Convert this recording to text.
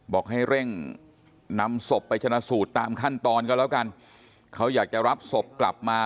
บอกให้เร่งนำศพไปชนะสูตรตามขั้นตอนก็แล้วกันเขาอยากจะรับศพกลับมา